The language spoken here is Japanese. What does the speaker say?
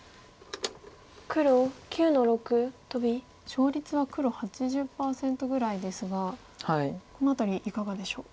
勝率は黒８０％ぐらいですがこの辺りいかがでしょう？